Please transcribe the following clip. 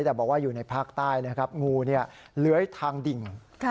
แต่บอกว่าอยู่ในภาคใต้นะครับงูเลื้อยทางดิ่ง